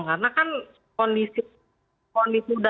karena kan kondisi muda